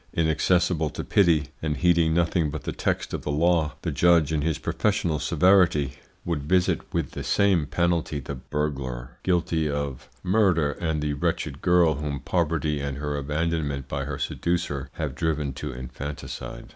Inaccessible to pity, and heeding nothing but the text of the law, the judge in his professional severity would visit with the same penalty the burglar guilty of murder and the wretched girl whom poverty and her abandonment by her seducer have driven to infanticide.